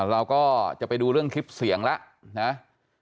เราก็จะไปดูเรื่องคลิปเสียงแล้วนะ